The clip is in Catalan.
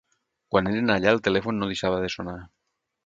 Quan eren allà el telèfon no deixava de sonar.